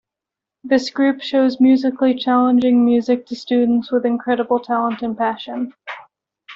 This group shows musically challenging music to students with incredible talent and passion.